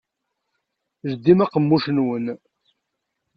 Ldim aqemmuc-nwen!